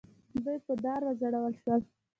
دوی په دار وځړول شول.